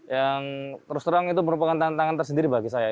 yang terus terang itu merupakan tantangan tersendiri bagi saya